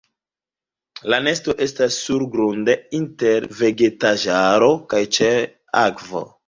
La nesto estas surgrunde inter vegetaĵaro kaj ĉe akvo.